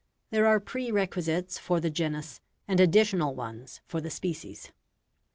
There are prerequisites for the genus, and additional ones for the species.